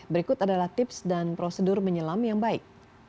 berikut adalah tips dan prosedur menyelam yang baik